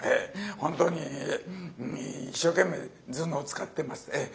本当に一生懸命頭脳使ってます。